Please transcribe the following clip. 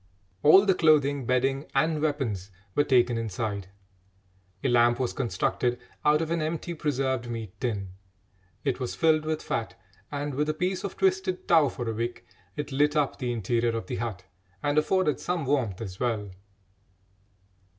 All the clothing, bedding, and weapons were taken inside. A lamp was constructed out of an empty preserved meat tin; it was filled with fat, and, with a piece of twisted tow for a wick, it lit up the interior of the hut and afforded some warmth as well.